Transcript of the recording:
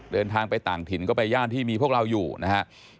เดินทางไปต่างถิ่นก็ไปย่านที่มีพวกเราอยู่นะครับ